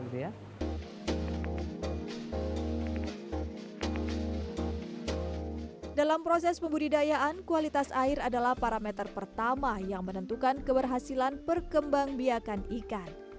dalam proses pembudidayaan kualitas air adalah parameter pertama yang menentukan keberhasilan perkembang biakan ikan